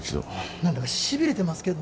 なんだか痺れてますけど。